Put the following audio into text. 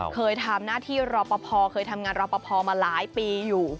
เคยทำหน้าที่รอปภเคยทำงานรอปภมาหลายปีอยู่